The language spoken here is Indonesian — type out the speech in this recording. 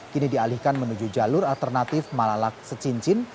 kini dialihkan menuju jalur alternatif malalak secincin